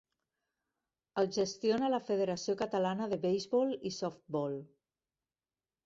El gestiona la Federació Catalana de Beisbol i Softbol.